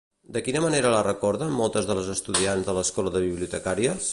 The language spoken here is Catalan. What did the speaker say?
De quina manera la recorden moltes de les estudiants de l'Escola de Bibliotecàries?